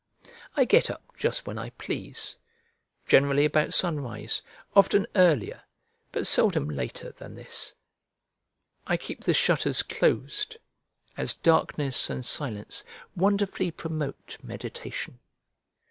I get up just when I please; generally about sunrise, often earlier, but seldom later than this. I keep the shutters closed, as darkness and silence wonderfully promote meditation.